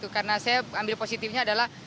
karena saya ambil positifnya adalah